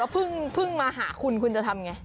เออถ้าเกิดว่าพึ่งมาหาคุณคุณจะทำอย่างไร